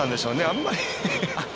あんまり。